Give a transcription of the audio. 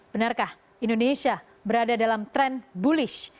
benarkah indonesia berada dalam tren bullish